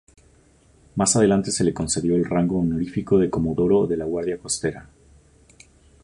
Más adelante se le concedió el rango honorífico de Comodoro de la Guardia Costera.